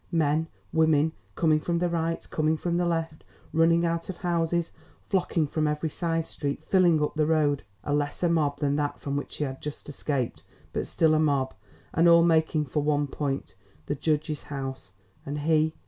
Men women coming from the right, coming from the left, running out of houses, flocking from every side street, filling up the road! A lesser mob than that from which she had just escaped, but still, a mob, and all making for one point the judge's house! And he?